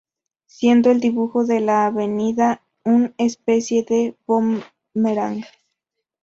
Siendo el dibujo de la avenida un especie de boomerang.